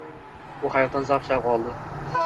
U hayotdan zavq-shavq oldi.